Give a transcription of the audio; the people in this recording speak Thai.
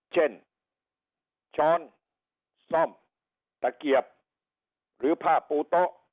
เช่นช้อนซ่อมตะเกียบหรือผ้าปูโต๊ะ